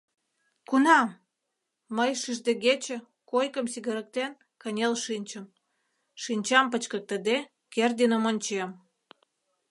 Кунам? — мый, шиждегече, койкым сигырыктен, кынел шинчым, шинчам пычкыктыде, Кердиным ончем.